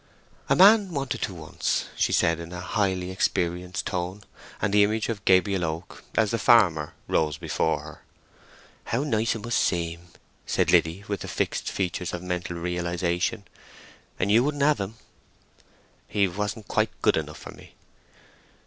"A man wanted to once," she said, in a highly experienced tone, and the image of Gabriel Oak, as the farmer, rose before her. "How nice it must seem!" said Liddy, with the fixed features of mental realization. "And you wouldn't have him?" "He wasn't quite good enough for me."